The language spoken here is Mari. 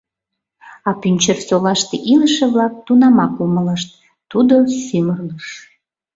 А Пӱнчерсолаште илыше-влак тунамак умылышт: Тудо сӱмырлыш.